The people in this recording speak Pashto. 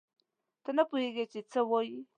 ته نه پوهېږې چې څه وایې.